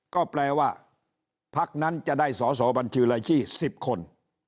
ก็แปลว่าพักนั้นจะได้สอสอบัญชีรายชื่อ๑๐คน